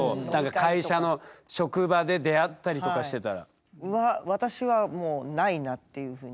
会社の職場で出会ったりとかしてたら。